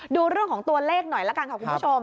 ดูเรื่องของตัวเลขหน่อยละกันค่ะคุณผู้ชม